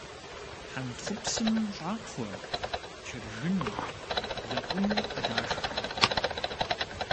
Хьэнтхъупсым щӀакхъуэ, чыржын, лэкъум дашх.